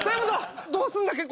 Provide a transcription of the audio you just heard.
どうすんだっけ？